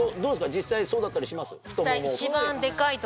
実際そうだったりします？